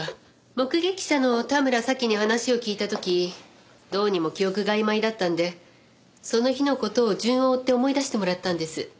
目撃者の田村紗季に話を聞いた時どうにも記憶があいまいだったんでその日の事を順を追って思い出してもらったんです。